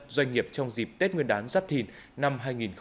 doanh nghiệp trong dịp tết nguyên đán giáp thìn năm hai nghìn hai mươi bốn